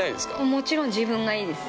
もちろん、自分がいいです。